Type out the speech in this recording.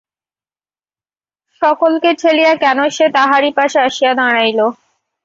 সকলকে ঠেলিয়া কেন সে তাহারই পাশে আসিয়া দাঁড়াইল!